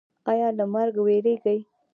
ایا له مرګ ویریږئ؟